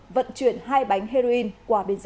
vận chuyển hai bánh heroin qua biên giới